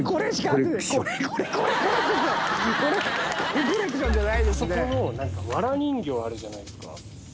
あそこのなんかワラ人形あるじゃないですか。